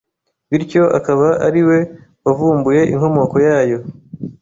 bityo akaba ari we wavumbuye inkomoko yayo